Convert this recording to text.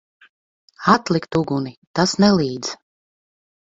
Atlikt uguni! Tas nelīdz.